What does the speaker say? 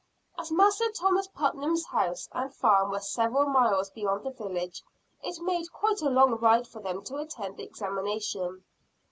As Master Thomas Putnam's house and farm were several miles beyond the village, it made quite a long ride for them to attend the examination.